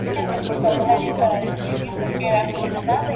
Cliff fue un observador astronómico, organizador y educador.